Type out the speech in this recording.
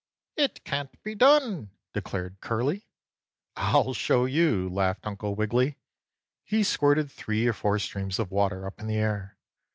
"It can't be done!" declared Curly. "I'll soon show you!" laughed Uncle Wiggily. He squirted three or four streams of water up in the air.